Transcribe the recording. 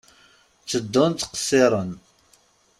Tteddun ttqesiren.